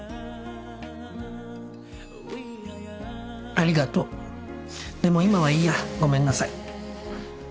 ありがとうでも今はいいやごめんなさい。